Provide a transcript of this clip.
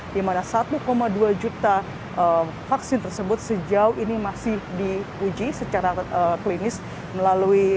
di mana satu dua juta vaksin tersebut sejauh ini masih di uji secara tertentu